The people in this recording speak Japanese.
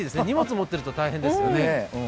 荷物持ってると大変ですよね。